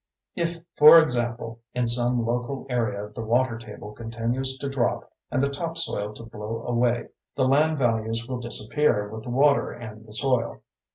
If, for example, in some local area the water table continues to drop and the topsoil to blow away, the land values will disappear with the water and the soil.